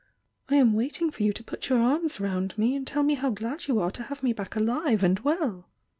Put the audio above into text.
— I am waiting for you to put your arms round me and tell me how glad you are to have me back alive and well!"